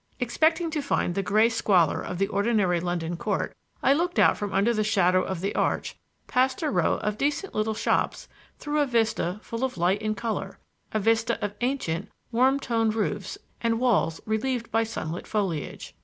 Expecting to find the gray squalor of the ordinary London court, I looked out from under the shadow of the arch past a row of decent little shops through a vista full of light and color a vista of ancient, warm toned roofs and walls relieved by sunlit foliage.